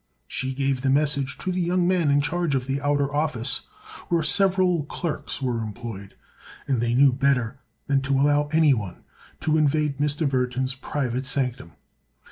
She gave the message to the young man in charge of the outer office, where several clerks were employed, and they knew better than to allow anyone to invade Mr. Burthon's private sanctum.